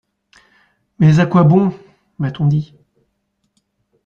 Mais à quoi bon ? m’a-t-on dit.